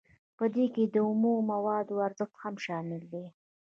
په دې کې د اومو موادو ارزښت هم شامل دی